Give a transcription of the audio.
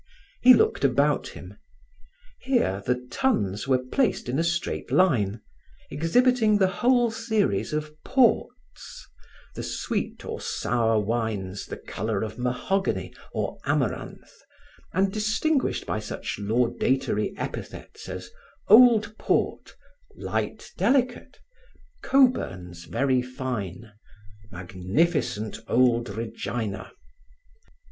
He looked about him. Here, the tuns were placed in a straight line, exhibiting the whole series of ports, the sweet or sour wines the color of mahogany or amaranth, and distinguished by such laudatory epithets as old port, light delicate, Cockburn's very fine, magnificent old Regina.